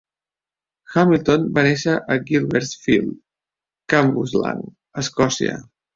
Hamilton va néixer a Gilbertfield, Cambuslang, Escòcia.